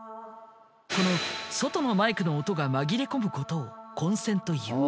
この外のマイクの音が紛れ込むことを混線という。